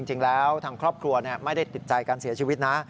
จริงแล้วทางครอบครัวไม่ได้ติดใจการเสียชีวิตนะ